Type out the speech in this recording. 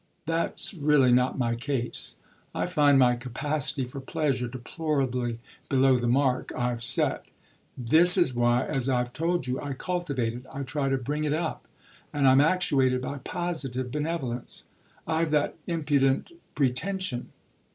That's really not my case I find my capacity for pleasure deplorably below the mark I've set. This is why, as I've told you, I cultivate it, I try to bring it up. And I'm actuated by positive benevolence; I've that impudent pretension.